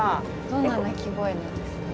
どんな鳴き声なんですか？